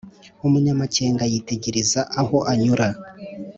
umunyamakenga yitegereza aho anyura